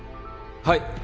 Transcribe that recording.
はい！